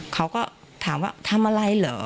เขาก็ถามว่าทำอะไรเหรอ